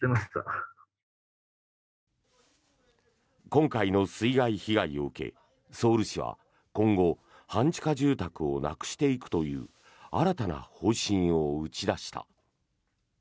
今回の水害被害を受けソウル市は今後、半地下住宅をなくしていくという新たな方針を打ち出した。